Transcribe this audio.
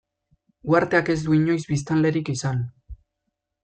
Uharteak ez du inoiz biztanlerik izan.